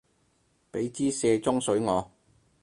畀枝卸妝水我